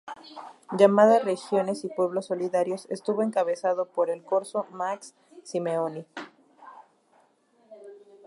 Llamada "Regiones y Pueblos Solidarios", estuvo encabezada por el corso Max Simeoni.